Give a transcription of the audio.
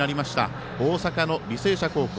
大阪の履正社高校。